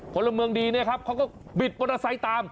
ผลเมืองดีเนี่ยครับเขาก็บิดบริษัยตาม